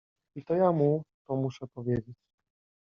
I to ja mu to muszę powiedzieć.